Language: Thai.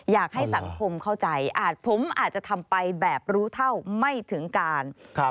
อยากให้สังคมเข้าใจอาจผมอาจจะทำไปแบบรู้เท่าไม่ถึงการ